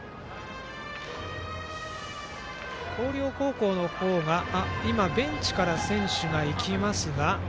広陵高校の方が今、ベンチから選手が行きますが。